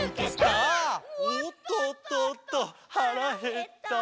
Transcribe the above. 「おっとっとっとはらへった！」